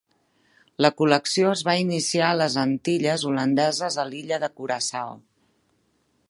La col·lecció es va iniciar a les Antilles holandeses a l'illa de Curaçao.